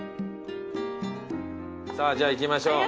さぁじゃあ行きましょう。